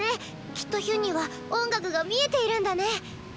きっとヒュンには音楽が見えているんだね！